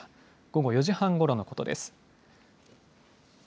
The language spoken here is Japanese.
午後４時半ごろのことです。